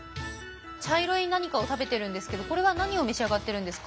茶色い何かを食べてるんですけどこれは何を召し上がってるんですか？